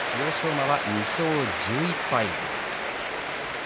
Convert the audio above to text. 馬は２勝１１敗。